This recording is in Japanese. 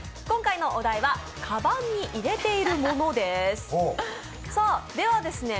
今回のお題は「かばんに入れているもの」です。